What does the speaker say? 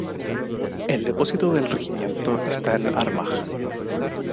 El depósito del regimiento está en Armagh.